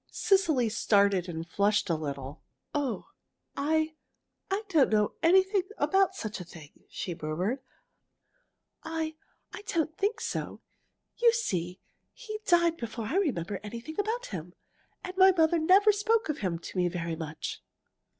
Cecily started and flushed a little. "Oh, I I don't know anything about such a thing!" she murmured. "I I don't think so. You see, he died before I remember anything about him, and my mother never spoke of him to me very much."